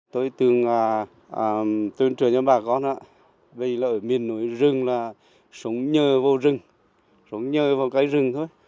tôi tương trời cho bà con vì là ở miền núi rừng là sống nhơ vào rừng sống nhơ vào cái rừng thôi